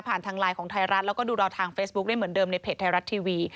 ทางไลน์ของไทยรัฐแล้วก็ดูเราทางเฟซบุ๊คได้เหมือนเดิมในเพจไทยรัฐทีวี